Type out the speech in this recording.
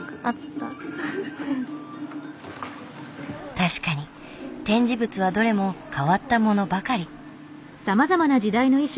確かに展示物はどれも変わったものばかり。